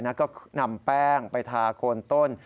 แล้วก็นำแป้งไปทาโคนต้น